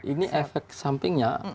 ini efek sampingnya